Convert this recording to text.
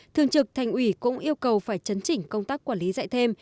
thường trực thành ủy cũng yêu cầu phải chấn chỉnh công tác quản lý dạy thêm